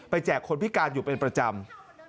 แจกคนพิการอยู่เป็นประจำ